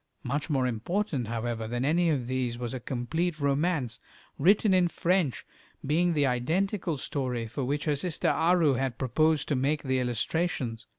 Much more important, however, than any of these was a complete romance, written in French, being the identical story for which her sister Aru had proposed to make the illustrations.